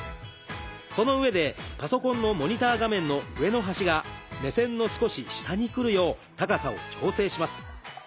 そのうえでパソコンのモニター画面の上の端が目線の少し下に来るよう高さを調整します。